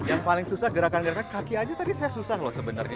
yang paling susah gerakan gerakan kaki aja tadi saya susah loh sebenarnya